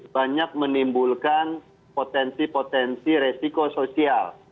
banyak menimbulkan potensi potensi resiko sosial